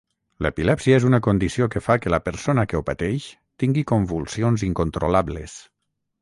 L'epilèpsia és una condició que fa que la persona que ho pateix tingui convulsions incontrolables.